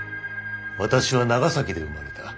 私は長崎で生まれた。